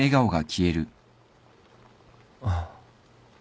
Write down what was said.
あっ